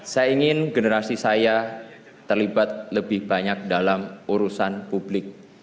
saya ingin generasi saya terlibat lebih banyak dalam urusan publik